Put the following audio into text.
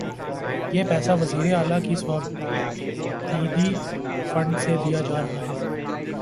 یہ پیسہ وزیر اعلی کے صوابدیدی فنڈ سے دیا جا رہا ہے۔